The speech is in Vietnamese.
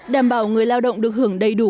đảm bảo người lao động được hưởng đầy đủ